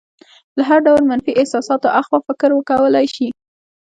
له هر ډول منفي احساساتو اخوا فکر وکولی شي.